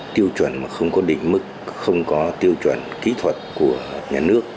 tiêu chuẩn mà không có đỉnh mức không có tiêu chuẩn kỹ thuật của nhà nước